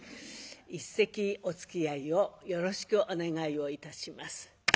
一席おつきあいをよろしくお願いをいたします。